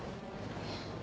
えっ。